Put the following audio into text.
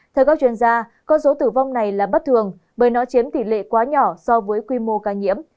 theo các chuyên gia con số tử vong này là bất thường bởi nó chiếm tỷ lệ quá nhỏ so với quy mô ca nhiễm